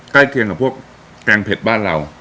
ใกล้เคียงกับพวกแกงเผ็ดบ้านเรา